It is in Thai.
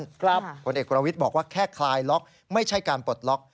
ผลเอกประวิทย์บอกว่าแค่คลายล็อกไม่ใช่การปลดล็อก